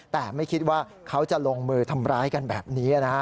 แต่ไม่คิดว่าเขาจะลงมือทำร้ายกันแบบนี้นะฮะ